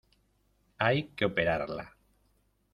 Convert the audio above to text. hay que operarla.